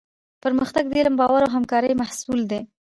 پرمختګ د علم، باور او همکارۍ محصول دی.